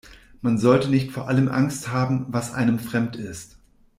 Man sollte nicht vor allem Angst haben, was einem fremd ist.